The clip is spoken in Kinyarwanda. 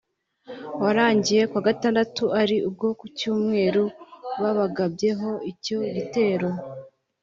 warangiye ku wa gatandatu ari bwo ku cyumweru babagabyeho icyo gitero